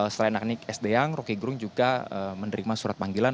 selain nanik s deyang rokigrung juga menerima surat panggilan